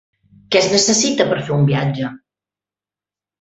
Què es necessita per fer un viatge?